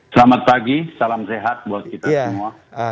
selamat pagi salam sehat buat kita semua